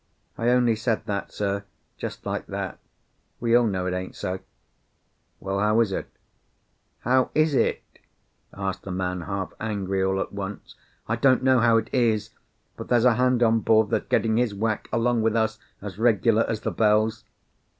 "I only said that, sir, just like that. We all know it ain't so." "Well, how is it?" "How is it?" asked the man, half angry all at once. "I don't know how it is, but there's a hand on board that's getting his whack along with us as regular as the bells."